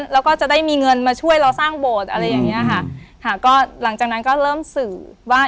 แล้วก็จะได้มีเงินมาช่วยเราสร้างโบสถ์อะไรอย่างเงี้ยค่ะค่ะก็หลังจากนั้นก็เริ่มสื่อว่า